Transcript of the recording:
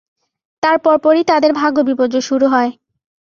তার পরপরই তাদের ভাগ্য-বিপর্যয় শুরু হয়।